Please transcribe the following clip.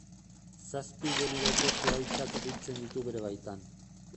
Zazpi generoko zuhaitzak biltzen ditu bere baitan.